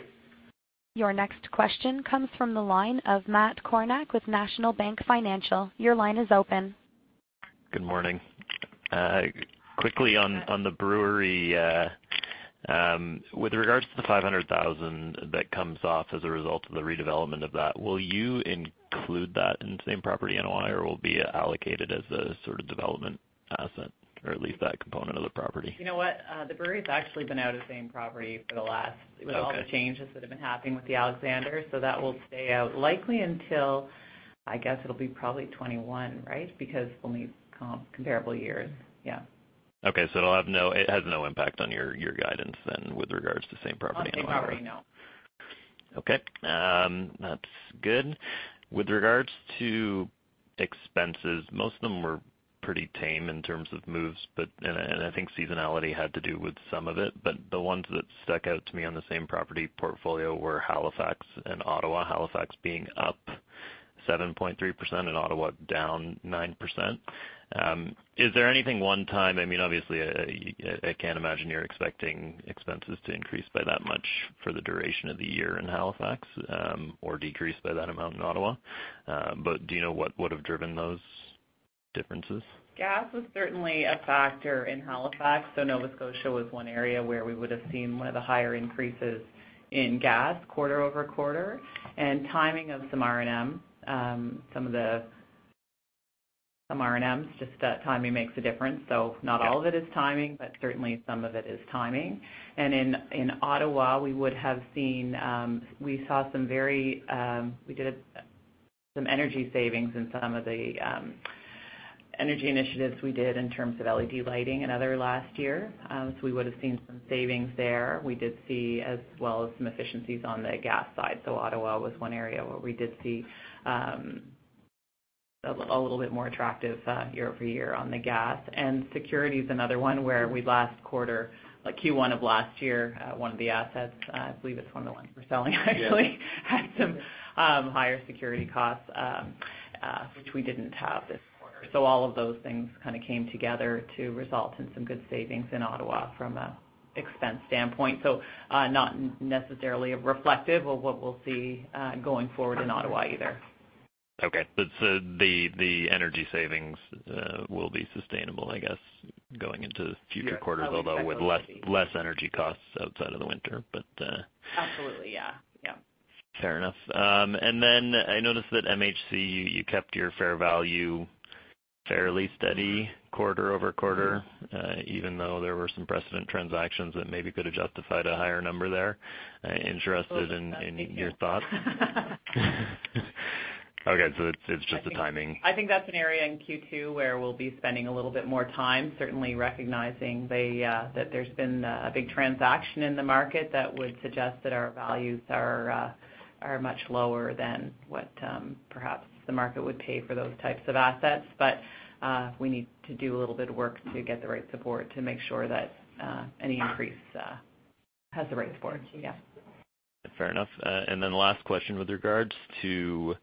Your next question comes from the line of Matt Kornack with National Bank Financial. Your line is open. Good morning. Quickly on Brewery Market, with regards to the 500,000 that comes off as a result of the redevelopment of that, will you include that in same property NOI, or will it be allocated as a sort of development asset? Or at least that component of the property? You know what? The Brewery's actually been out of same property for the last- Okay. With all the changes that have been happening with The Alexander, that will stay out likely until, I guess it'll be probably 2021, right? Because we'll need comparable years. Yeah. Okay. It has no impact on your guidance then with regards to same property NOI. On same property, no. Okay. That's good. With regards to expenses, most of them were pretty tame in terms of moves, and I think seasonality had to do with some of it. The ones that stuck out to me on the same property portfolio were Halifax and Ottawa. Halifax being up 7.3% and Ottawa down 9%. Is there anything one time, I mean, obviously, I can't imagine you're expecting expenses to increase by that much for the duration of the year in Halifax, or decrease by that amount in Ottawa. Do you know what would've driven those differences? Gas was certainly a factor in Halifax. Nova Scotia was one area where we would've seen one of the higher increases in gas quarter-over-quarter. Timing of some R&Ms, just that timing makes a difference. Not all of it is timing, but certainly some of it is timing. In Ottawa, we saw some energy savings in some of the energy initiatives we did in terms of LED lighting and other last year. We would've seen some savings there, we did see as well as some efficiencies on the gas side. Ottawa was one area where we did see a little bit more attractive year-over-year on the gas. Security's another one where we last quarter, Q1 of last year, one of the assets, I believe it's one of the ones we're selling actually had some higher security costs, which we didn't have this quarter. All of those things came together to result in some good savings in Ottawa from an expense standpoint. Not necessarily reflective of what we'll see going forward in Ottawa either. The energy savings will be sustainable, I guess, going into future quarters, although with less energy costs outside of the winter. Absolutely. I noticed that MHC, you kept your fair value fairly steady quarter-over-quarter, even though there were some precedent transactions that maybe could have justified a higher number there. We'll discuss. Thank you. Your thoughts. It's just a timing. I think that's an area in Q2 where we'll be spending a little bit more time, certainly recognizing that there's been a big transaction in the market that would suggest that our values are much lower than what perhaps the market would pay for those types of assets. We need to do a little bit of work to get the right support to make sure that any increase has the right support. Yeah. Fair enough. Last question with regards to,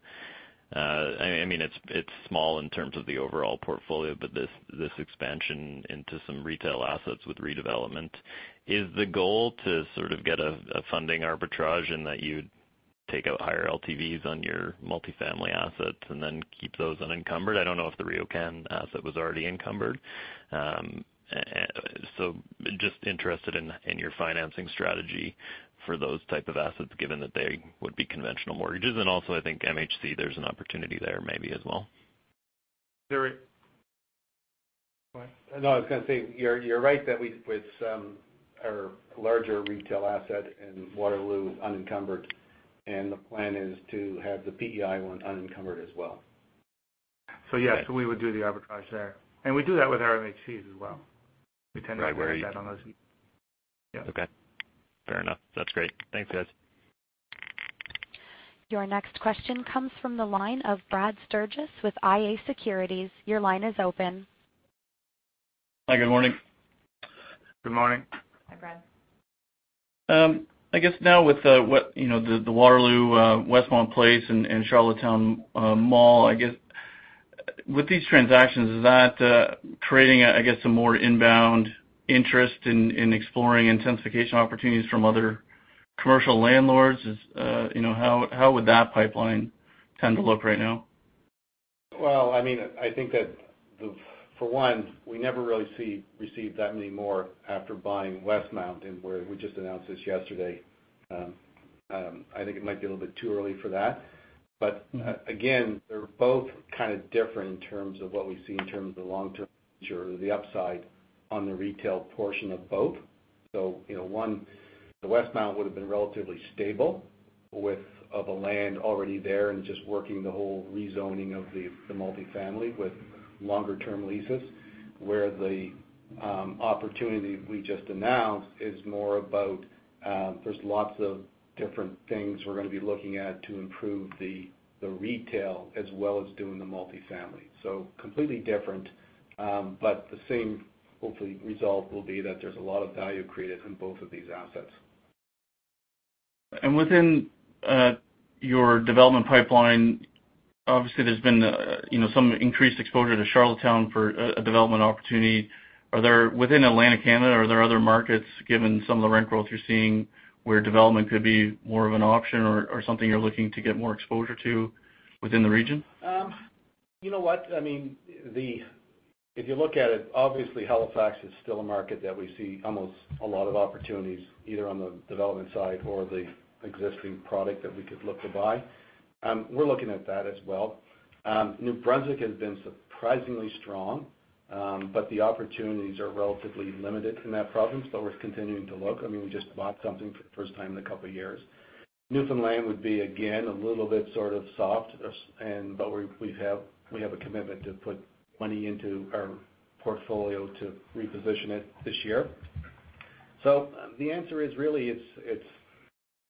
it's small in terms of the overall portfolio, but this expansion into some retail assets with redevelopment. Is the goal to sort of get a funding arbitrage in that you'd take out higher LTVs on your multifamily assets and then keep those unencumbered? I don't know if the RioCan asset was already encumbered. Just interested in your financing strategy for those type of assets, given that they would be conventional mortgages. I think MHC, there's an opportunity there maybe as well. Terry. Go ahead. I was going to say, you're right that with our larger retail asset in Waterloo unencumbered. The plan is to have the PEI one unencumbered as well. Yes, we would do the arbitrage there. We do that with our MHCs as well. We tend to do that on those. Okay. Fair enough. That's great. Thanks, guys. Your next question comes from the line of Brad Sturges with iA Securities. Your line is open. Hi, good morning. Good morning. Hi, Brad. I guess now with the Waterloo, Westmount Place, and Charlottetown Mall, with these transactions, is that creating, I guess, a more inbound interest in exploring intensification opportunities from other commercial landlords? How would that pipeline tend to look right now? Well, I think that for one, we never really received that many more after buying Westmount, where we just announced this yesterday. I think it might be a little bit too early for that. Again, they're both kind of different in terms of what we see in terms of the long-term future or the upside on the retail portion of both. One, the Westmount would've been relatively stable with the land already there and just working the whole rezoning of the multifamily with longer term leases. The opportunity we just announced is more about, there's lots of different things we're going to be looking at to improve the retail as well as doing the multifamily. Completely different. The same, hopefully, result will be that there's a lot of value created in both of these assets. Within your development pipeline, obviously there's been some increased exposure to Charlottetown for a development opportunity. Within Atlantic Canada, are there other markets, given some of the rent growth you're seeing, where development could be more of an option or something you're looking to get more exposure to within the region? You know what? If you look at it, obviously Halifax is still a market that we see almost a lot of opportunities, either on the development side or the existing product that we could look to buy. We're looking at that as well. New Brunswick has been surprisingly strong. The opportunities are relatively limited in that province, but we're continuing to look. We just bought something for the first time in a couple of years. Newfoundland would be, again, a little bit sort of soft. We have a commitment to put money into our portfolio to reposition it this year. The answer is really,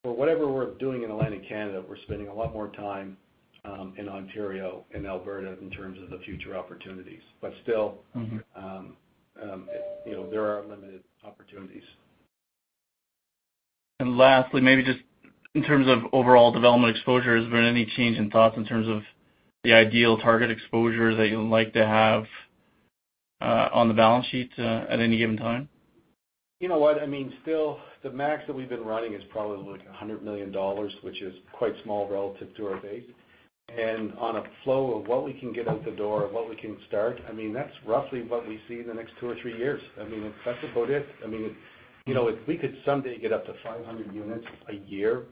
for whatever we're doing in Atlantic Canada, we're spending a lot more time, in Ontario and Alberta in terms of the future opportunities. There are limited opportunities. Lastly, maybe just in terms of overall development exposure, has there been any change in thoughts in terms of the ideal target exposure that you'd like to have on the balance sheet at any given time? You know what? Still, the max that we've been running is probably like 100 million dollars, which is quite small relative to our base. On a flow of what we can get out the door and what we can start, that's roughly what we see in the next two or three years. That's about it. If we could someday get up to 500 units a year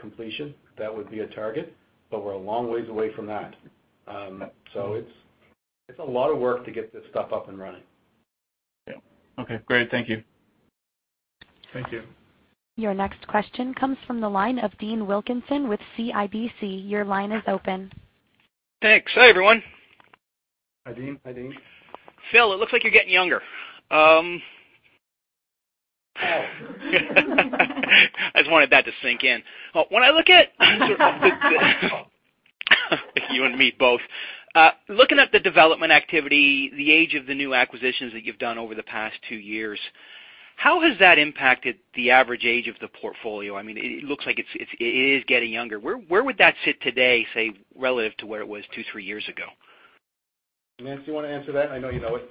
completion, that would be a target, we're a long ways away from that. It's a lot of work to get this stuff up and running. Yeah. Okay, great. Thank you. Thank you. Your next question comes from the line of Dean Wilkinson with CIBC. Your line is open. Thanks. Hey, everyone. Hi, Dean. Hi, Dean. Phil, it looks like you're getting younger. Oh. I just wanted that to sink in. You and me both. Looking at the development activity, the age of the new acquisitions that you've done over the past two years, how has that impacted the average age of the portfolio? It looks like it is getting younger. Where would that sit today, say, relative to where it was two, three years ago? Nancy, you want to answer that? I know you know it.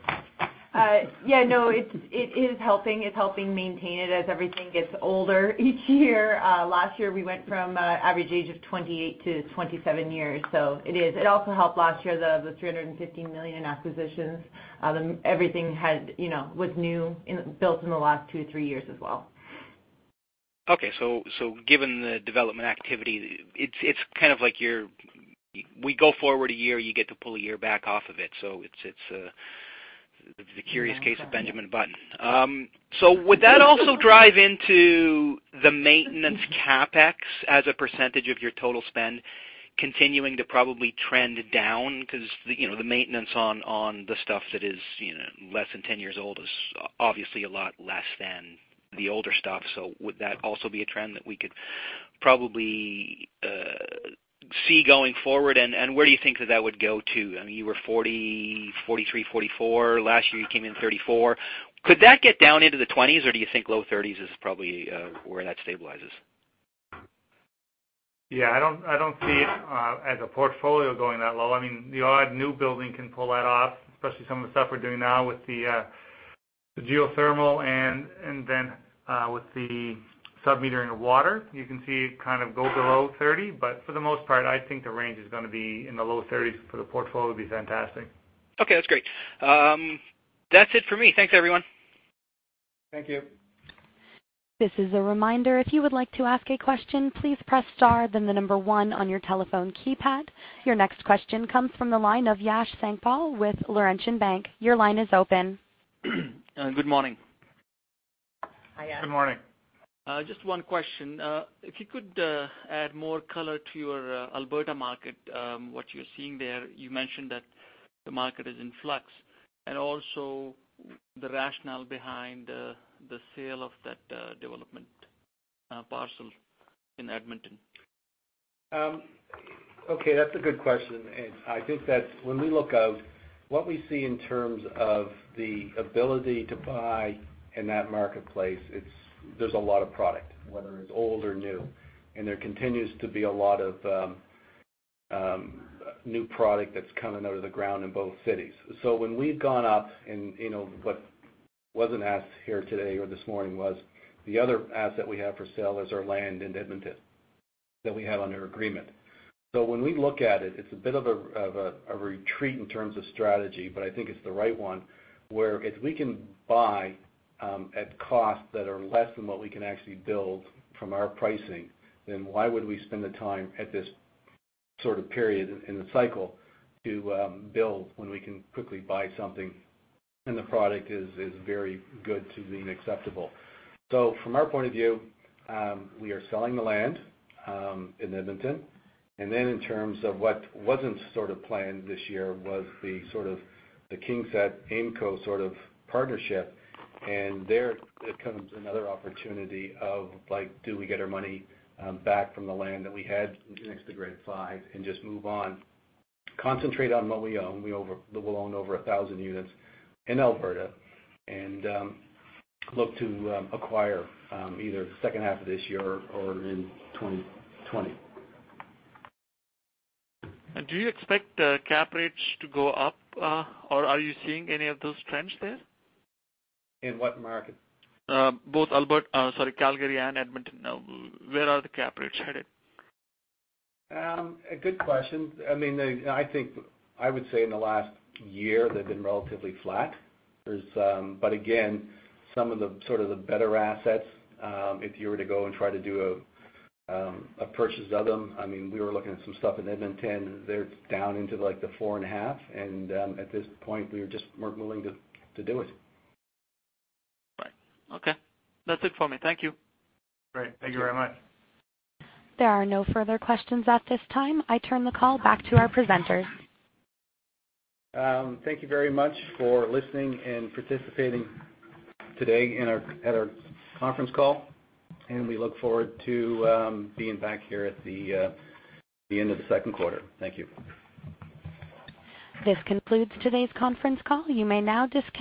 Yeah, no, it is helping. It's helping maintain it as everything gets older each year. Last year we went from average age of 28 to 27 years. It is. It also helped last year the 350 million acquisitions. Everything was new, built in the last two, three years as well. Okay. Given the development activity, it's kind of like we go forward a year, you get to pull a year back off of it. It's the curious case- Yeah of Benjamin Button. Would that also drive into the maintenance CapEx as a percentage of your total spend continuing to probably trend down? Because the maintenance on the stuff that is less than 10 years old is obviously a lot less than the older stuff. Would that also be a trend that we could probably see going forward? Where do you think that that would go to? You were 43%, 44%. Last year you came in 34%. Could that get down into the 20s, or do you think low 30s is probably where that stabilizes? Yeah, I don't see it as a portfolio going that low. The odd new building can pull that off, especially some of the stuff we're doing now with the geothermal and then with the sub-metering of water. You can see it kind of go below 30%. For the most part, I think the range is going to be in the low 30s for the portfolio would be fantastic. Okay, that's great. That's it for me. Thanks, everyone. Thank you. This is a reminder. If you would like to ask a question, please press star then the number one on your telephone keypad. Your next question comes from the line of Yash Sankpal with Laurentian Bank. Your line is open. Good morning. Hi, Yash. Good morning. Just one question. If you could add more color to your Alberta market, what you're seeing there. You mentioned that the market is in flux, and also the rationale behind the sale of that development parcel in Edmonton. Okay. That's a good question. I think that when we look out. What we see in terms of the ability to buy in that marketplace, there's a lot of product, whether it's old or new. There continues to be a lot of new product that's coming out of the ground in both cities. When we've gone up, and what wasn't asked here today or this morning was, the other asset we have for sale is our land in Edmonton that we have under agreement. When we look at it's a bit of a retreat in terms of strategy, but I think it's the right one, where if we can buy at costs that are less than what we can actually build from our pricing, then why would we spend the time at this sort of period in the cycle to build when we can quickly buy something and the product is very good to being acceptable. From our point of view, we are selling the land in Edmonton. In terms of what wasn't sort of planned this year was the sort of the KingSett/AIMCo sort of partnership. There comes another opportunity of, do we get our money back from the land that we had next to Grid 5 and just move on, concentrate on what we own. We will own over 1,000 units in Alberta, and look to acquire either the second half of this year or in 2020. Do you expect cap rates to go up? Are you seeing any of those trends there? In what market? Both Calgary and Edmonton. Where are the cap rates headed? A good question. I think I would say in the last year, they've been relatively flat. Again, some of the sort of the better assets, if you were to go and try to do a purchase of them, we were looking at some stuff in Edmonton. They're down into the four and a half, and at this point, we weren't willing to do it. Right. Okay. That's it for me. Thank you. Great. Thank you very much. There are no further questions at this time. I turn the call back to our presenters. Thank you very much for listening and participating today at our conference call. We look forward to being back here at the end of the second quarter. Thank you. This concludes today's conference call. You may now disconnect.